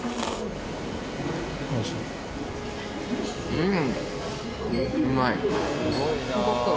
うん！